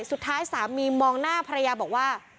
สุดท้ายสามีมองหน้าภรรยาบอกว่า